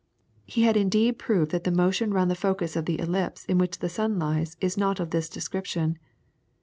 He had indeed proved that the motion round the focus of the ellipse in which the sun lies is not of this description.